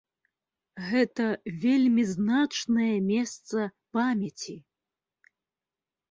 Гэта вельмі значнае месца памяці.